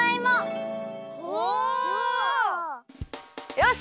よし！